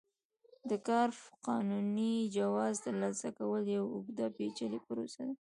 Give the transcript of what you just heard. د کار قانوني جواز ترلاسه کول یوه اوږده پېچلې پروسه ده.